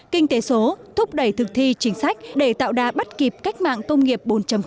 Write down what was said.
kinh tế số thúc đẩy thực thi chính sách để tạo đà bắt kịp cách mạng công nghiệp bốn